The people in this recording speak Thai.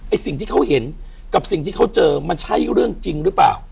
สิ่งที่เขาเห็นกับสิ่งที่เขาเจอมันใช่เรื่องจริงหรือเปล่า